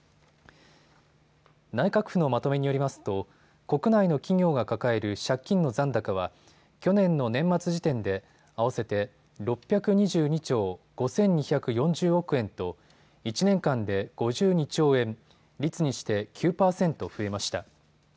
内閣府のまとめによりますと国内の企業が抱える借金の残高は去年の年末時点で合わせて６２２兆５２４０億円と１年間で５２兆円、率にして９％増えました。